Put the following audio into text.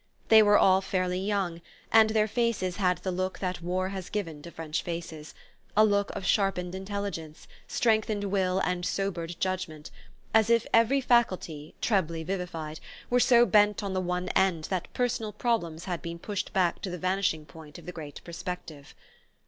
They were all fairly young, and their faces had the look that war has given to French faces: a look of sharpened intelligence, strengthened will and sobered judgment, as if every faculty, trebly vivified, were so bent on the one end that personal problems had been pushed back to the vanishing point of the great perspective.